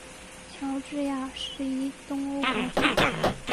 乔治亚是一东欧国家。